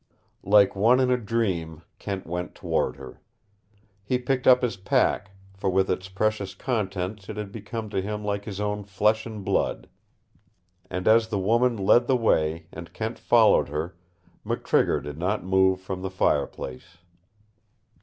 Like one in a dream Kent went toward her. He picked up his pack, for with its precious contents it had become to him like his own flesh and blood. And as the woman led the way and Kent followed her, McTrigger did not move from the fireplace.